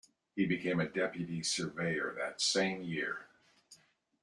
He became a deputy surveyor that same year.